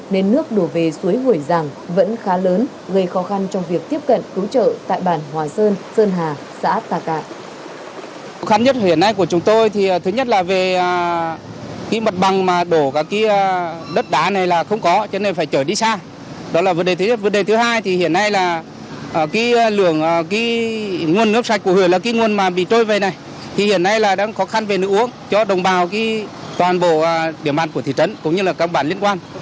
nên nước đổ về suối hủy rằng vẫn khá lớn gây khó khăn trong việc tiếp cận cứu trợ tại bản hòa sơn sơn hà xã tà cạ